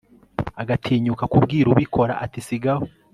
agatinyuka kubwira ubikora ati sigaho